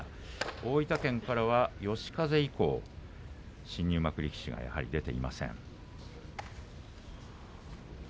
大分県からは、嘉風以降新入幕力士が出ていません。